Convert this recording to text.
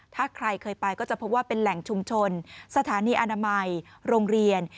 ถ้าใครเคยไปก็จะพบว่าเป็นแหล่งชุมชนสถานีอนามัยโรงเรียน